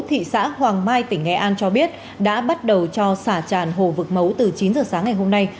thị xã hoàng mai tỉnh nghệ an cho biết đã bắt đầu cho xả tràn hồ vực mấu từ chín giờ sáng ngày hôm nay